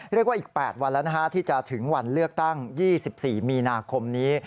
เรียกว่าอีก๘วันแล้วที่จะถึงวันเลือกตั้ง๒๔มีนาคมนี้